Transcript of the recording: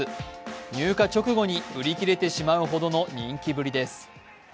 入荷直後に売り切れてしまうほどの人気ぶりです。